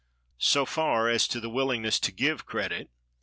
So far, as to the willingness to give credit.